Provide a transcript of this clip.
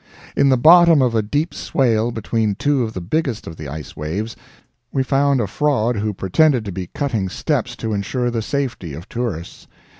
In the bottom of a deep swale between two of the biggest of the ice waves, we found a fraud who pretended to be cutting steps to insure the safety of tourists.